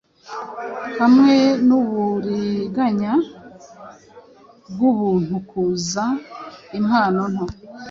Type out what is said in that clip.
hamwe nuburiganya bwubuntu Kuza impano nto